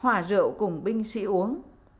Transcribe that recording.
hòa rượu cùng binh sĩ uống